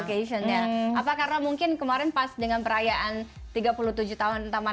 setting location setting location ya apa karena mungkin kemarin pas dengan perayaan tiga puluh tujuh tahun taman